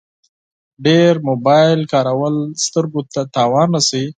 ډېر موبایل کارول سترګو ته زیان رسوي.